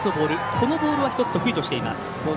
このボールは得意としています。